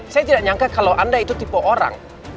saya tidak nyangka kalau anda itu tipe orang